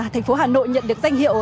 thành phố hà nội nhận được danh hiệu